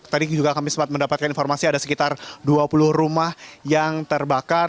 tadi juga kami sempat mendapatkan informasi ada sekitar dua puluh rumah yang terbakar